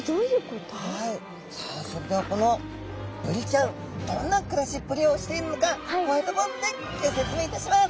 さあそれではこのブリちゃんどんな暮らしっぷりをしているのかホワイトボードでギョ説明いたします！